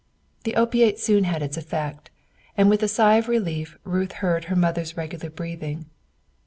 The opiate soon had its effect; and with a sigh of relief Ruth heard her mother's regular breathing.